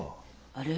あれ？